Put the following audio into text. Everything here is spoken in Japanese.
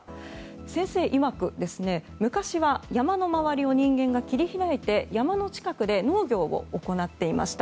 先生いわく、昔は山の周りを人間が切り開いて山の近くで農業を行っていました。